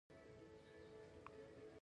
نالوستي زموږ په کورونو کې دي.